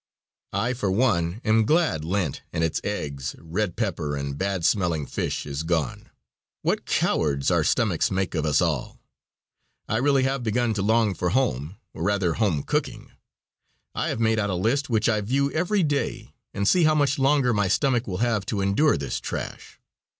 I for one am glad Lent and its eggs, red pepper, and bad smelling fish is gone. What cowards our stomachs make of us all. I really have begun to long for home, or rather home cooking. I have made out a list which I view every day, and see how much longer my stomach will have to endure this trash.